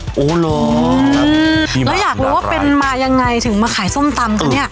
หนึ่งอยากรู้ว่าเป็นมายังไงถึงมาขายส้มตำกันเนี่ย